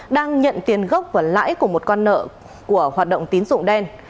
đang nhận tiền gốc và lãi của một con nợ của hoạt động tín dụng đen